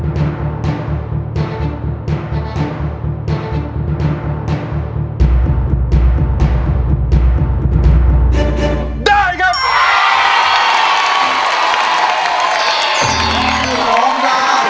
สุดยอดเลยสุดยอด